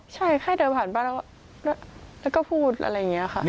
ใช่แค่เดินผ่านบ้านแล้วก็พูดอะไรอย่างนี้ค่ะ